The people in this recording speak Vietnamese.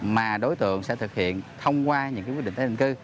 mà đối tượng sẽ thực hiện thông qua những quyết định tái định cư